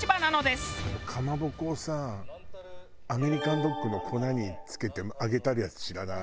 かまぼこをさアメリカンドッグの粉に付けて揚げてあるやつ知らない？